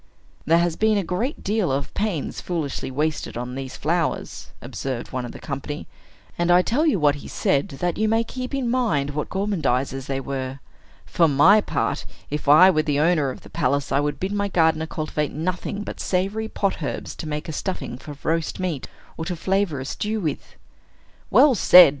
"There has been a great deal of pains foolishly wasted on these flowers," observed one of the company; and I tell you what he said, that you may keep in mind what gormandizers they were. "For my part, if I were the owner of the palace, I would bid my gardener cultivate nothing but savory pot herbs to make a stuffing for roast meat, or to flavor a stew with." "Well said!"